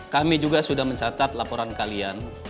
kami juga sudah mencatat laporan kalian